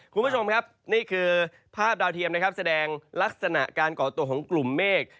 คุณผู้ชมครับนี่คือภาพดาวเทียมนะครับแสดงลักษณะการก่อตัวของกลุ่มเมฆ